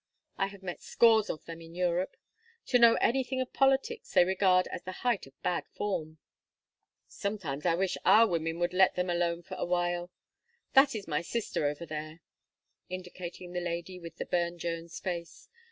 I have met scores of them in Europe. To know anything of politics they regard as the height of bad form." "Sometimes I wish that our women would let them alone for a while. That is my sister over there," indicating the lady with the Burne Jones face.